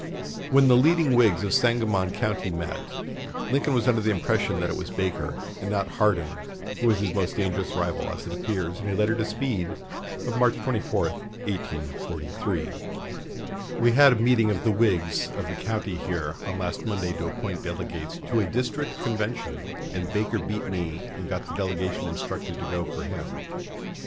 When the leading Whigs of Sangamon County met, Lincoln was under the impression that it was Baker and not Hardin who was his most dangerous rival, as appears in a letter to Speed of March 24, 1843: "We had a meeting of the Whigs of the county here on last Monday to appoint delegates to a district convention, and Baker beat me and got the delegation instructed to go for him.